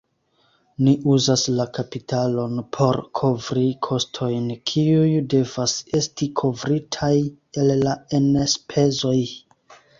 Ni uzas la kapitalon por kovri kostojn, kiuj devas esti kovritaj el la enspezoj.